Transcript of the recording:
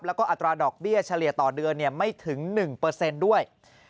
แล้วก็อัตราดอกเบี้ยเฉลี่ยต่อเดือนไม่ถึง๑ด้วย